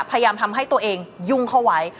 พยายามทำให้ตัวเองยุ่งเข้าไว้